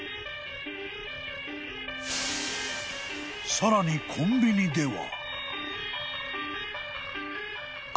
［さらにコンビニでは］